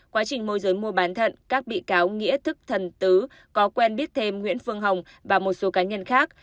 quá trình môi giới mua bán thận các bị cáo nghĩa thức thần tứ có quen biết thêm nguyễn phương hồng và một số cá nhân khác